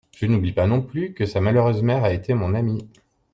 Je n'oublie pas non plus que sa malheureuse mère a été mon amie.